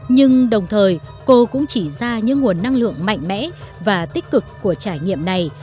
nhưng đồng thời cô cũng chỉ ra những nguồn năng lượng mạnh mẽ và tích cực của trải nghiệm này